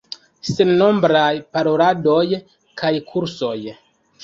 Sennombraj paroladoj kaj kursoj.